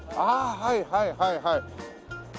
はいはいはいはい。